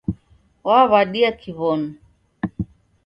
Waw'adia Kiw'onu.